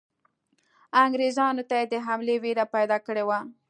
انګریزانو ته یې د حملې وېره پیدا کړې وه.